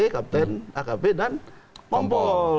kapten akb dan kombol